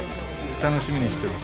楽しみにしてます。